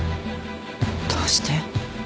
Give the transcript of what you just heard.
どうして？